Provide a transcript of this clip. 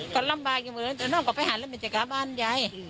ก็ลำบากอยู่หมดแล้วตอนนั้นก็ไปหาเรื่องบริจกราบบ้านใหญ่